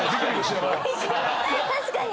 確かに！